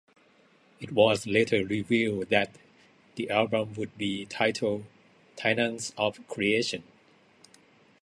It was later revealed that the album would be titled "Titans of Creation".